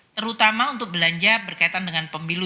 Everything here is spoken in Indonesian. terutama untuk belanja berkaitan dengan pemilu